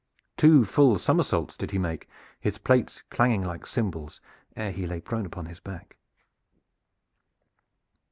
Two full somersaults did he make, his plates clanging like cymbals, ere he lay prone upon his back.